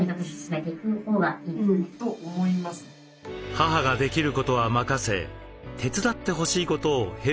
母ができることは任せ手伝ってほしいことをヘルパーが補う。